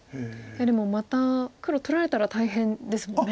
でもまた黒取られたら大変ですもんね。